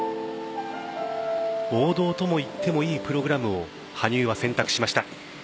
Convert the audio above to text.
王道とも言ってもいいプログラムを羽生は選択しました。